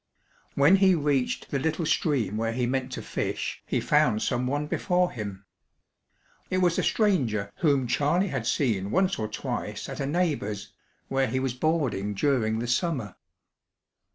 When he reached the little stream where he meant to fish, he found some one before him. It was a stranger whom Charley had seen once or twice at a neighbor's, where he was boarding during the summer.